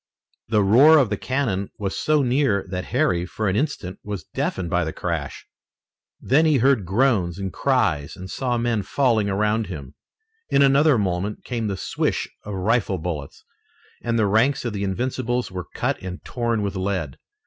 The roar of the cannon was so near that Harry, for an instant, was deafened by the crash. Then he heard groans and cries and saw men falling around him. In another moment came the swish of rifle bullets, and the ranks of the Invincibles were cut and torn with lead.